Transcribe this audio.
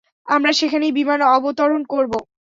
আমরা সেখানেই বিমান অবতরণ করবো।